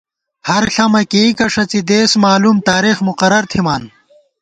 ہر ݪمہ کېئیکہ ݭڅی دېس مالُوم، تارېخ مقرر تھِمان